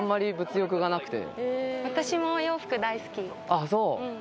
ああそう。